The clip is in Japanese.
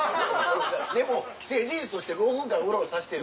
でも既成事実として５分間うろうろさせてよ。